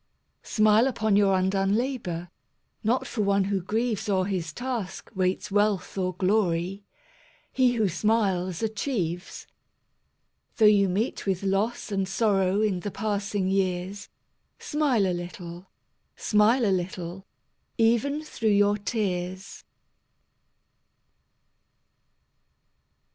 Smile upon your undone labour; Not for one who grieves O'er his task waits wealth or glory; He who smiles achieves. Though you meet with loss and sorrow In the passing years, Smile a little, smile a little, Even through your tears.